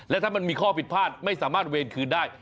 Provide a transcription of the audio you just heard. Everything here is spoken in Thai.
และถ้ามันมีข้อผิดพลาดไม่สามารถเวรคืนได้